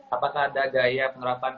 apakah ada gaya penerapan